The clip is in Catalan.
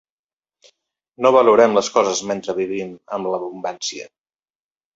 No valorem les coses mentre vivim en l'abundància.